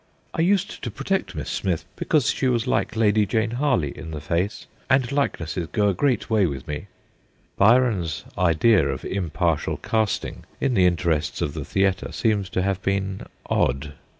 I used to protect Miss Smith, because she was like Lady Jane Harley in the face ; and likenesses go a great way with me ' Byron's idea of impartial casting in the interests of the theatre seems to have been odd.